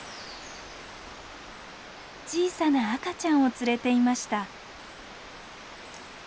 小さな赤ちゃんを連れていました。